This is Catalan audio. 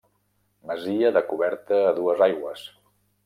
Masia de coberta a dues aigües.